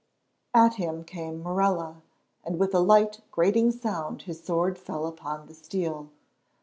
At him came Morella, and with a light, grating sound his sword fell upon the steel.